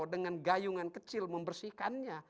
dengan gayungan kecil membersihkannya